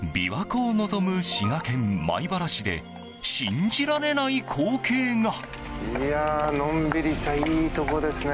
琵琶湖を臨む滋賀県米原市で信じられない光景が。